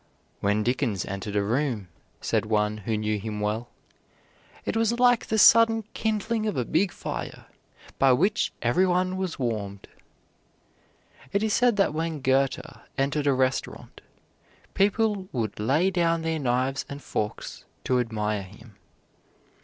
"When Dickens entered a room," said one who knew him well, "it was like the sudden kindling of a big fire, by which every one was warmed." It is said that when Goethe entered a restaurant people would lay down their knives and forks to admire him.